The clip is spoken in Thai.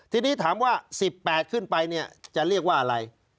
ทีนี้ถามว่า๑๘ขึ้นไปเนี่ยจะเรียกว่าอะไร